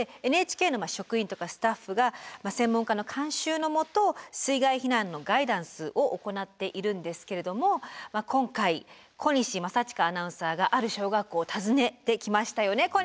でＮＨＫの職員とかスタッフが専門家の監修の下水害避難のガイダンスを行っているんですけれども今回小西政親アナウンサーがある小学校を訪ねてきましたよね？